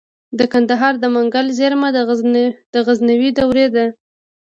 د کندهار د منگل زیرمه د غزنوي دورې ده